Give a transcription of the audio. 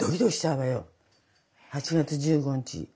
８月１５日。